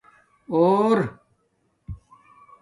اور